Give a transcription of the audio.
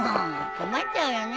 困っちゃうよね